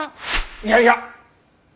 いやいや。